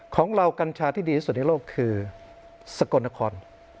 ของเรากัญชาที่ดีที่สุดในโลกคือสกลนคร